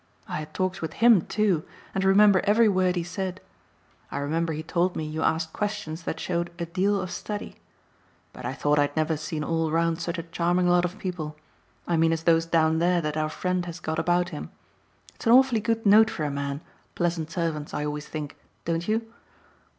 I had talks with HIM too and remember every word he said. I remember he told me you asked questions that showed 'a deal of study.' But I thought I had never seen all round such a charming lot of people I mean as those down there that our friend has got about him. It's an awfully good note for a man, pleasant servants, I always think, don't you?